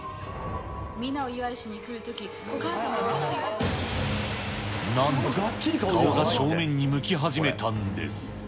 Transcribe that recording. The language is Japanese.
みんなお祝いしに来るとき、なんと顔が正面に向き始めたんです。